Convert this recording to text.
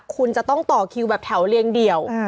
คุณจะต้องต่อคิวแบบแถวเรียงเดี่ยว